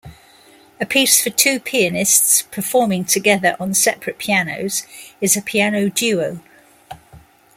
A piece for two pianists performing together on separate pianos is a "piano duo".